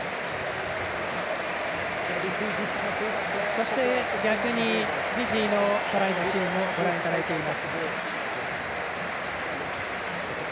そして、逆にフィジーのトライのシーンもご覧いただいています。